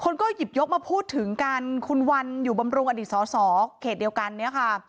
ก็หยิบยกมาพูดถึงกันคุณวันอยู่บำรุงอดีตสอสอเขตเดียวกันเนี่ยค่ะ